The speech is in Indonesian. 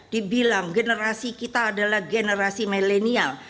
dibilang generasi kita adalah generasi milenial